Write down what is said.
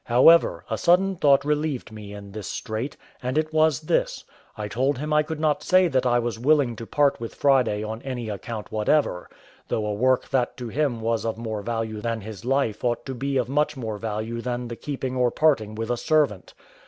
However, a sudden thought relieved me in this strait, and it was this: I told him I could not say that I was willing to part with Friday on any account whatever, though a work that to him was of more value than his life ought to be of much more value than the keeping or parting with a servant.